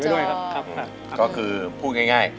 พี่ต้องรู้หรือยังว่าเพลงอะไร